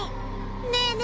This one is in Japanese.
ねえねえ